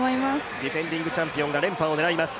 ディフェンディングチャンピオンが連覇を狙います。